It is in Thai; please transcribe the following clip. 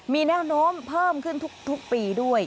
มีแนวโน้มเพิ่มขึ้นทุกปีด้วย